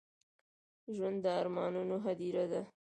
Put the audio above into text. ژوند د ارمانونو هديره ده.